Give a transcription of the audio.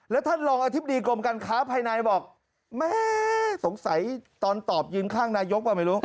แล้วท่านรองอธิบดีกรมการค้าภายในบอกแม่สงสัยตอนตอบยืนข้างนายกป่ะไม่รู้